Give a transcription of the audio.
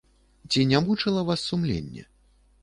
Ці не мучыла вас сумленне?